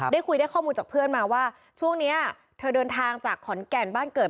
ได้คุยได้ข้อมูลจากเพื่อนมาว่าช่วงนี้เธอเดินทางจากขอนแก่นบ้านเกิด